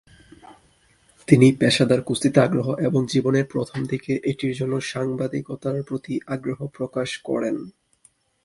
তিনি পেশাদার কুস্তিতে আগ্রহ এবং জীবনের প্রথম দিকে এটির জন্য সাংবাদিকতার প্রতি আগ্রহ প্রকাশ করেন।